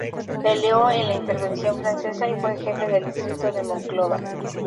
Peleó en la intervención francesa y fue jefe del distrito de Monclova.